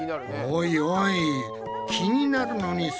おいおい。